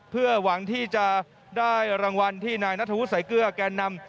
เพื่อหวังที่จะได้รางวัลที่นายนัทธวุฒิสายเกลือแกนนำ